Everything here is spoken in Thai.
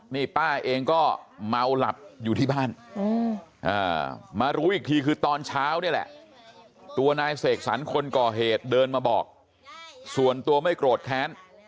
นี่ป้าเองก็เมาหลับอยู่ที่บ้านมารู้อีกทีคือตอนเช้านี่แหละตัวนายเสกสรรคนก่อเหตุเดินมาบอกส่วนตัวไม่โกรธแค้น